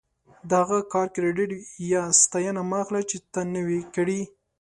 د هغه کار کریډیټ یا ستاینه مه اخله چې تا نه وي کړی.